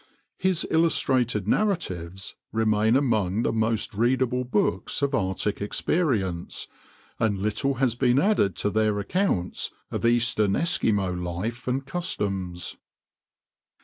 His illustrated narratives remain among the most readable books of Arctic experience, and little has been added to their accounts of eastern Eskimo life and customs.